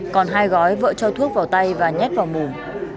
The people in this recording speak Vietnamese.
còn hai gói vợ cho thuốc vào tay và nhét vào mủ